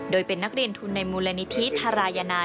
โดยเป็นนักเรียนทุนในมูลนิธิทารายนา